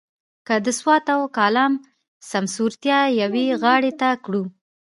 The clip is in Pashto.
که د سوات او کالام سمسورتیا یوې غاړې ته کړو.